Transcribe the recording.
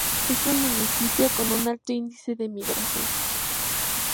Es un municipio con un alto índice de migración.